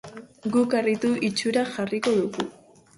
Guk harritu itxura jarriko dugu.